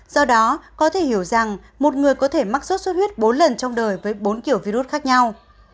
do đó có thể hiểu rằng một người có thể mắc sốt xuất huyết bốn lần trong đời với bốn kiểu virus khác nhau